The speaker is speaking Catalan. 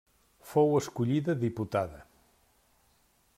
Fou escollida diputada.